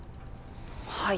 はい。